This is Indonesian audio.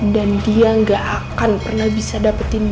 dan dia gak akan pernah bisa dapetin